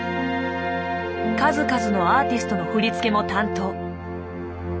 数々のアーティストの振り付けも担当。